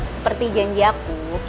seperti janji aku